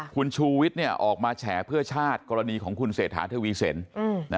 คุณชูวิทย์ออกมาแฉเพื่อชาติกรณีของคุณเศรษฐาทวีสิน